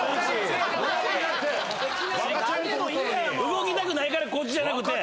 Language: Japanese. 動きたくないからこっちじゃなくて。